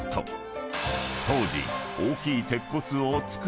［当時］